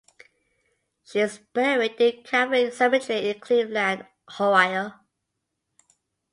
She is buried in Calvary Cemetery in Cleveland, Ohio.